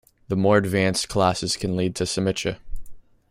The more advanced classes can lead to "semicha".